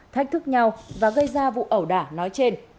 thách thức nhau và gây ra vụ ẩu đả nói trên